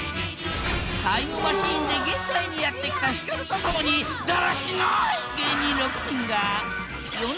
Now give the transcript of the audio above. タイムマシーンで現代にやって来たヒカルと共にだらしない芸人６人が未来人だな。